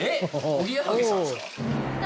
おぎやはぎさんですか？